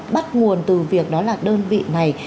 bắt nguồn từ việc đó là đơn vị này